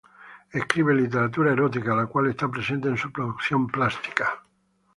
Escribe literatura erótica, la cual está presente en su producción plástica.